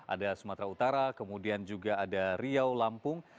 ada sumatera utara kemudian juga ada riau lampung